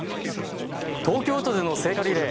東京都での聖火リレー。